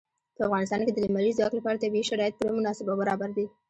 په افغانستان کې د لمریز ځواک لپاره طبیعي شرایط پوره مناسب او برابر دي.